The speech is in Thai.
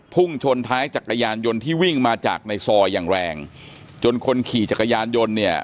พุ่งชนท้ายจักรยานยนต์ที่วิ่งมาจากในซอยอย่างแรงจนคนขี่จักรยานยนต์เนี่ย